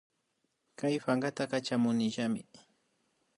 Kayta pankata Kachamunillami